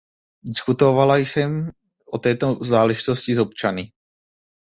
Diskutovala jsem o této záležitosti s občany.